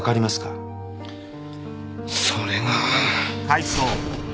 それが。